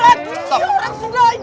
nih orang sudah injak